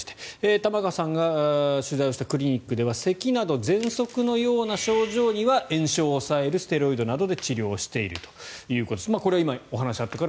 玉川さんが取材したクリニックではせきなどぜんそくのような症状には炎症を抑えるステロイドなどで治療しているということです。